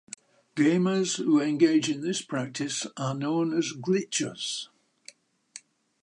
Gamers who engage in this practice are known as glitchers.